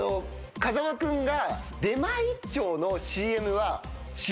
風間君が。